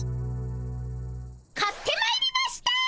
買ってまいりました！